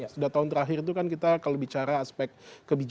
sudah tahun terakhir itu kan kita kalau bicara aspek kebijakan kan tidak mungkin lagi